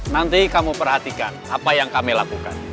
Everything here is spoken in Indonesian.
nanti kamu perhatikan apa yang kami lakukan